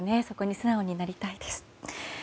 そこに素直になりたいです。